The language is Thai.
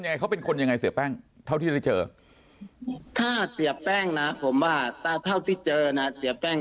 ยังไงเขาเป็นคนยังไงเสียแป้งเท่าที่ได้เจอถ้าเสียแป้งนะผมว่าเท่าที่เจอนะเสียแป้ง